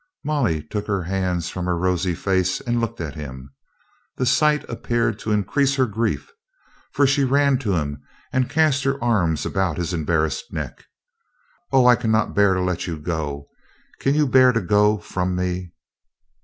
Molly took her hands from her rosy face and looked at him. The sight appeared to increase her grief, for she ran to him and cast her arms about his embarrassed neck. "O, I can not bear to let you go. Can you bear to go from me?"